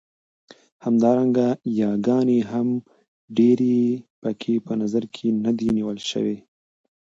همدارنګه ياګانې هم ډېرې پکې په نظر کې نه دي نيول شوې.